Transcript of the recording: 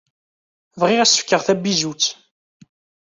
Bɣiɣ ad s-fkeɣ tabizutt.